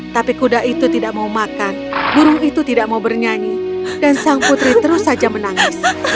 tapi kuda itu tidak mau makan burung itu tidak mau bernyanyi dan sang putri terus saja menangis